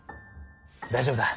大丈夫だ。